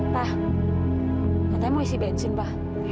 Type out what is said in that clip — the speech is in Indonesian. pa katanya mau isi bensin pa